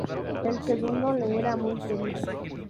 El segundo le era muy querido.